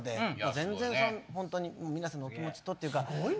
全然ホントに皆さんのお気持ちとっていうか。